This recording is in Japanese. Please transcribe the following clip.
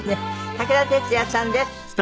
武田鉄矢さんです。